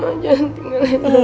mama jangan tinggalin